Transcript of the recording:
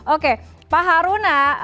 oke pak haruna